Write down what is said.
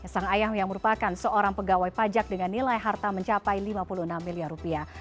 sang ayah yang merupakan seorang pegawai pajak dengan nilai harta mencapai lima puluh enam miliar rupiah